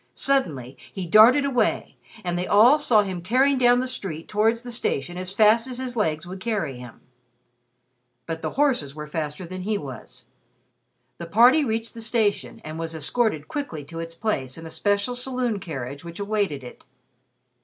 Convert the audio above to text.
Suddenly he darted away, and they all saw him tearing down the street towards the station as fast as his legs would carry him. But the horses were faster than he was. The party reached the station, and was escorted quickly to its place in a special saloon carriage which awaited it.